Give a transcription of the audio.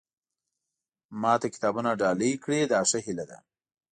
ما ته کتابونه ډالۍ کړي دا ښه هیله ده.